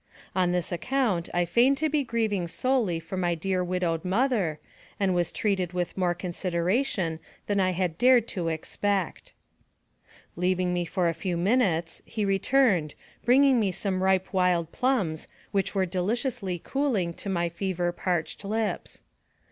On this account I feigned to be grieving solely for my dear widowed mother, and was treated with more consideration than I had dared to expect. Leaving me for a few moments, he returned, bring 11 J22 NARRATIVE OF CAPTIVITY ing me some ripe wild plums, which were delicioudy cooling to my fever parched lips.